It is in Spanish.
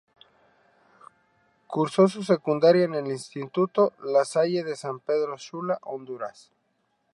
Cursó su secundaria en el instituto La Salle de San Pedro Sula, Honduras.